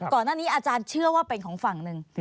ก่อนหน้านี้อาจารย์เชื่อว่าเป็นของฝั่งหนึ่ง